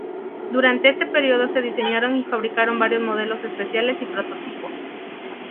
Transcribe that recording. Durante este periodo, se diseñaron y fabricaron varios modelos especiales y prototipos.